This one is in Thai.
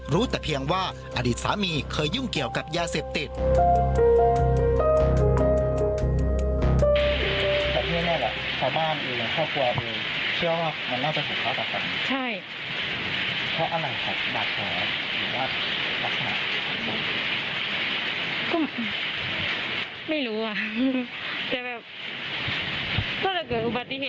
รู้แต่เพียงว่าอดีตสามีเคยยุ่งเกี่ยวกับยาเสพติด